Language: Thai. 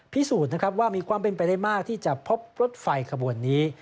พิสูจน์นะครับว่ามีความเป็นไปได้มากที่จะพบรถไฟขบวนนี้